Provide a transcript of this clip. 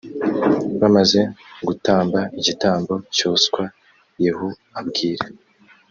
bamaze gutamba igitambo cyoswa yehu abwira